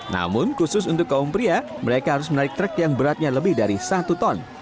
namun khusus untuk kaum pria mereka harus menarik truk yang beratnya lebih dari satu ton